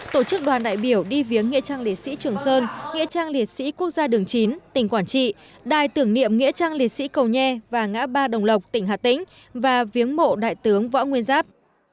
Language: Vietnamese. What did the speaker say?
tổ chức đoàn đại biểu đi viếng nghĩa trang liệt sĩ trường sơn nghĩa trang liệt sĩ quốc gia đường chín tỉnh quảng trị đài tưởng niệm nghĩa trang liệt sĩ cầu nhe và ngã ba đồng lộc tỉnh hà tĩnh và viếng mộ đại tướng võ nguyên giáp